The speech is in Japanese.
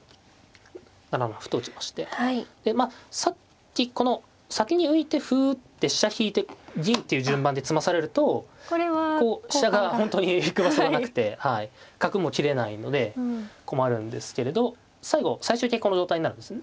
７七歩と打ちましてまあさっきこの先に浮いて歩打って飛車引いて銀っていう順番で詰まされるとこう飛車が本当に行く場所がなくて角も切れないので困るんですけれど最後最終形この状態になるんですね